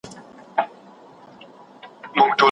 کوم مهارت ته ډېره اړتیا لرې؟